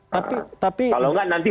kalau tidak nanti